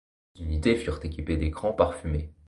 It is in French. Quelques unités furent équipées d'écrans pare-fumées.